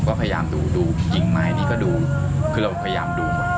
ก็พยายามดูดูกิ่งไม้นี่ก็ดูคือเราพยายามดูหมด